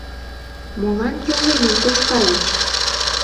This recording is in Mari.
Молан йолемым тошкальыч?